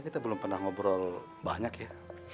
kita belum pernah ngobrol banyak ya